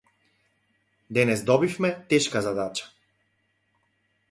Денес добивме тешка задача.